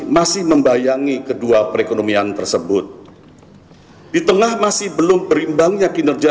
masih membayangi kedua perekonomian tersebut di tengah masih belum berimbangnya kinerja